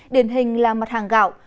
điển hình là mặt hàng gạo